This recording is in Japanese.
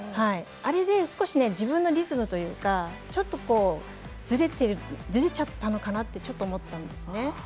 あれで少し自分のリズムというかずれちゃったのかなってちょっと思ったんですね。